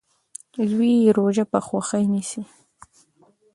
زوی یې روژه په خوښۍ نیسي.